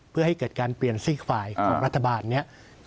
เพื่อให้เกิดการเปลี่ยนซีกฝ่ายของรัฐบาลนี้